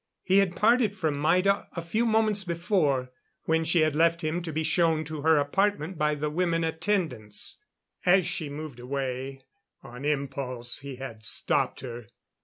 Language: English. He had parted from Maida a few moments before, when she had left him to be shown to her apartment by the women attendants. As she moved away, on impulse he had stopped her.